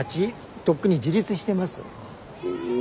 とっくに自立してます。